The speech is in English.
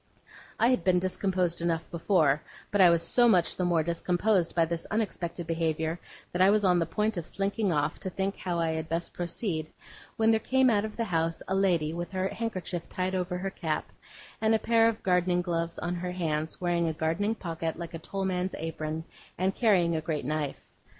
I had been discomposed enough before; but I was so much the more discomposed by this unexpected behaviour, that I was on the point of slinking off, to think how I had best proceed, when there came out of the house a lady with her handkerchief tied over her cap, and a pair of gardening gloves on her hands, wearing a gardening pocket like a toll man's apron, and carrying a great knife.